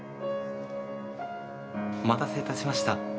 お待たせいたしました。